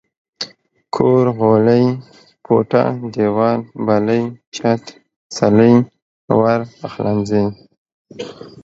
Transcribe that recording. کور ، غولی، کوټه، ديوال، بلۍ، چت، څلی، ور، پخلنځي